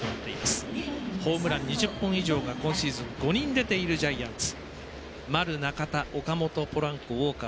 ホームラン２０本以上が今シーズン５人出ているジャイアンツ。